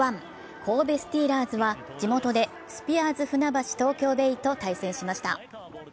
神戸スティーラーズは地元でスピアーズ船橋東京ベイと対戦しました。